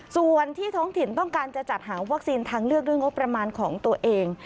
ส่วนที่ท้องถิ่นต้องการจะจัดหาวัคซีนทางเลือกด้วยงบประมาณของตัวเอง